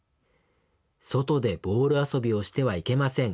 『外でボール遊びをしてはいけません』